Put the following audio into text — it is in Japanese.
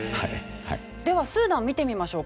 ではスーダン見てみましょう。